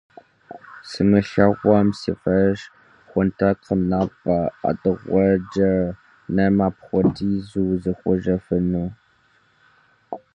Сымылъэгъуам си фӀэщ хъунтэкъым напӀэ ӀэтыгъуэкӀэ нэм апхуэдизу зихъуэжыфыну.